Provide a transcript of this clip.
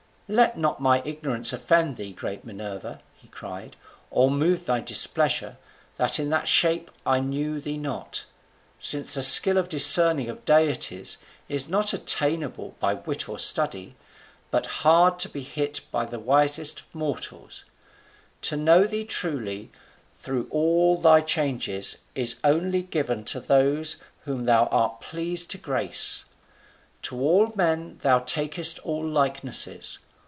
"Let not my ignorance offend thee, great Minerva," he cried, "or move thy displeasure, that in that shape I knew thee not; since the skill of discerning of deities is not attainable by wit or study, but hard to be hit by the wisest of mortals. To know thee truly through all thy changes is only given to those whom thou art pleased to grace. To all men thou takest all likenesses.